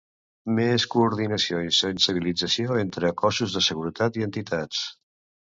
Més coordinació i sensibilització entre cossos de seguretat i entitats.